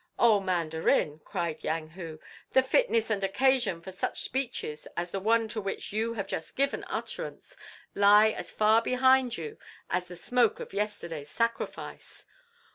"O Mandarin," cried Yang Hu, "the fitness and occasion for such speeches as the one to which you have just given utterance lie as far behind you as the smoke of yesterday's sacrifice.